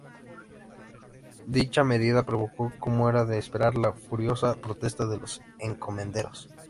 Dicha medida provocó, como era de esperar, la furiosa protesta de los encomenderos.